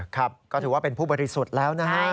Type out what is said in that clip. ครับก็ถือว่าเป็นผู้บริสุทธิ์แล้วนะฮะ